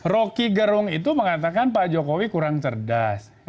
rocky gerung itu mengatakan pak jokowi kurang cerdas